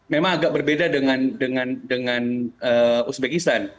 memang agak berbeda dengan uzbekistan